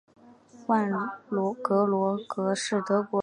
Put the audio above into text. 万格罗格是德国下萨克森州的一个市镇。